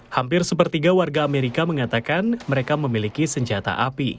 hampir sepertiga warga amerika mengatakan mereka memiliki senjata api